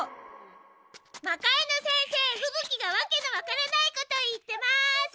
魔界之先生ふぶ鬼がわけのわからないこと言ってます！